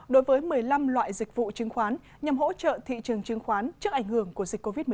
đối với một mươi năm loại dịch vụ chứng khoán nhằm hỗ trợ thị trường chứng khoán trước ảnh hưởng của dịch covid một mươi chín